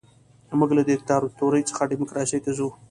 موږ له دیکتاتورۍ څخه ډیموکراسۍ ته ځو.